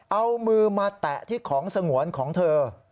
เอามือมาแตะที่ของสงวนของเธอ